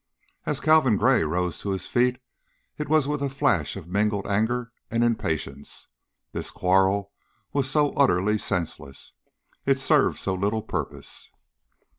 As Calvin Gray rose to his feet it was with a flash of mingled anger and impatience. This quarrel was so utterly senseless, it served so little purpose.